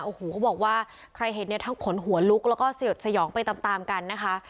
โอ้โหเขาบอกว่าใครเห็นเนี่ยทั้งขนหัวลุกแล้วก็สยดสยองไปตามตามกันนะคะ